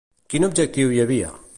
Quin objectiu hi havia?